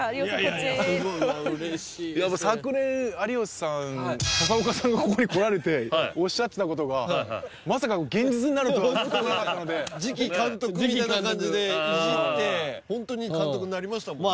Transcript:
昨年有吉さん佐々岡さんがここに来られておっしゃってたことがまさか現実になるとは思ってもなかったので「次期監督」みたいな感じでいじってホントに監督になりましたもんね